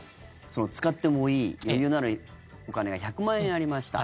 使ってもいい余裕のあるお金が１００万円ありました。